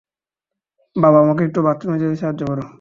বাবা, আমাকে একটু বাথরুমে যেতে সাহায্য করো।